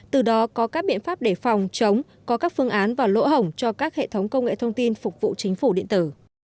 từ đó có các biện pháp để phòng chống có các phương án và lỗ hổng cho các hệ thống công nghệ thông tin phục vụ chính phủ điện tử